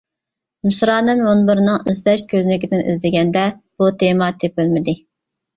مىسرانىم مۇنبىرىنىڭ ئىزدەش كۆزنىكىدىن ئىزدىگەندە بۇ تېما تېپىلمىدى.